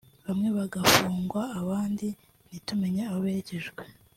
bamwe bagafungwa abandi ntitumenya aho berekejwe